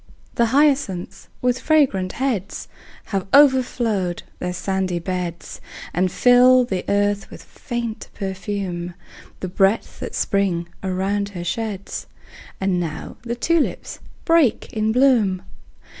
The hyacinths, with fragrant heads, Have overflowed their sandy beds, And fill the earth with faint perfume, The breath that Spring around her sheds. And now the tulips break in bloom!